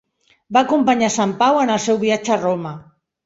Va acompanyar Sant Pau en el seu viatge a Roma.